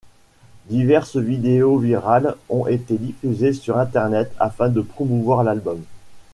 Diverses vidéos virales ont été diffusées sur Internet afin de promouvoir l'album.